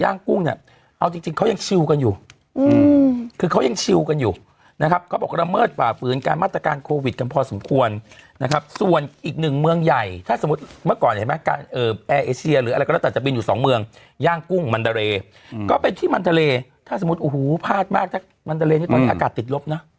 กุ้งเนี่ยเอาจริงเขายังชิวกันอยู่คือเขายังชิวกันอยู่นะครับเขาบอกระเมิดฝ่าฝืนการมาตรการโควิดกันพอสมควรนะครับส่วนอีกหนึ่งเมืองใหญ่ถ้าสมมุติเมื่อก่อนเห็นไหมการแอร์เอเชียหรืออะไรก็แล้วแต่จะบินอยู่สองเมืองย่างกุ้งมันดาเรก็เป็นที่มันทะเลถ้าสมมุติโอ้โหพลาดมากถ้ามันทะเลนี่ตอนนี้อากาศติดลบนะ